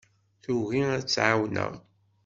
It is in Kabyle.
Tugi ad tt-ɛawneɣ.